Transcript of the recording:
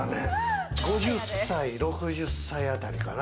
５０歳、６０歳ぐらいかな？